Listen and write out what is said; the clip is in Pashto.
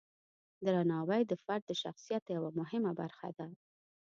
درناوی د فرد د شخصیت یوه مهمه برخه ده.